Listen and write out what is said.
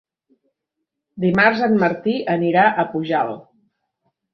Dimarts en Martí anirà a Pujalt.